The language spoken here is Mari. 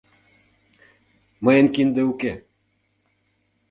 — Мыйын кинде уке...